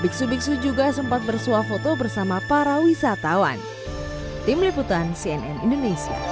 biksu biksu juga sempat bersuah foto bersama para wisatawan